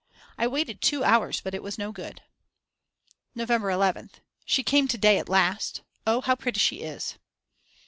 I waited two hours, but it was no good. November 11th. She came to day, at last! Oh how pretty she is.